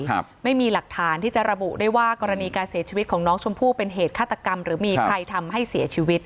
ครับไม่มีหลักฐานที่จะระบุได้ว่ากรณีการเสียชีวิตของน้องชมพู่เป็นเหตุฆาตกรรมหรือมีใครทำให้เสียชีวิต